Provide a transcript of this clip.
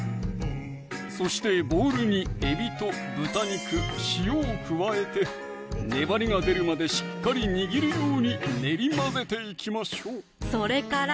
そしてボウルにえびと豚肉・塩を加えて粘りが出るまでしっかり握るように練り混ぜていきましょうそれから？